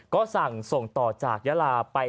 ก็สั่งส่งต่อจากยาลาไป